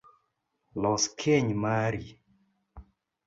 Los keny mari